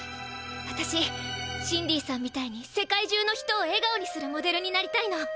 わたしシンディさんみたいに世界中の人をえがおにするモデルになりたいの。